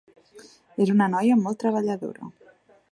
És una noia molt treballadora.